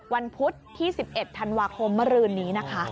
พุธที่๑๑ธันวาคมเมื่อรืนนี้นะคะ